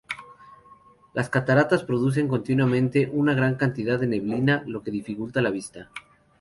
Las cataratas producen continuamente una gran cantidad de neblina, lo que dificulta su vista.